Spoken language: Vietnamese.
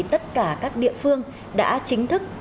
tất cả các địa phương đã chính thức